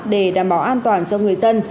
để đảm bảo an toàn cho người dân